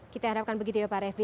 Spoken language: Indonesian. kita harapkan begitu ya pak refli